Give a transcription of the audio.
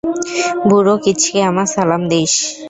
বুড়ো কিচকে আমার সালাম দিস!